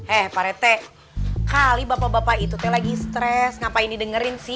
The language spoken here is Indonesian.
eh pak rethe kali bapak bapak itu lagi stress ngapain didengerin sih